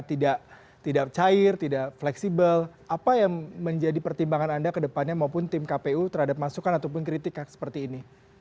tidak cair tidak fleksibel apa yang menjadi pertimbangan anda ke depannya maupun tim kpu terhadap masukan ataupun kritik seperti ini